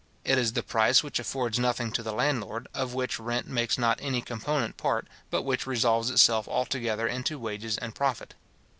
It is the price which affords nothing to the landlord, of which rent makes not any component part, but which resolves itself altogether into wages and profit.